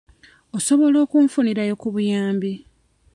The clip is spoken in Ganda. Osobola okunfunirayo ku buyambi?